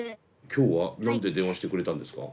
今日は何で電話してくれたんですか？